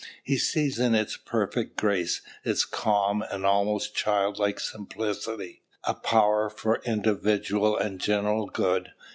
He sees in its perfect grace, its calm and almost childlike simplicity, a power for individual and general good.